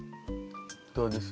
どうです？